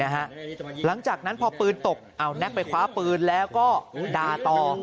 หลังจากนั้นพอปืนตกเอาแน็กไปคว้าปืนแล้วก็ด่าต่อ